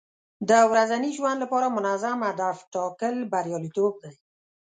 د ورځني ژوند لپاره منظم هدف ټاکل بریالیتوب دی.